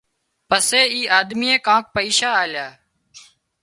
پسي اي آۮميئي ڪانڪ پئيشا آليا